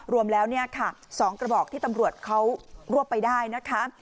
รวมแล้วเนี่ยค่ะ๒กระบอกที่ตำรวจเขารวบไปได้นะคะ